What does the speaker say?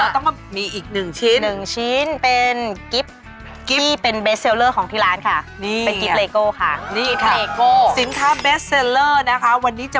สวัสดีค่ะสวัสดีค่ะสวัสดีค่ะสวัสดีค่ะ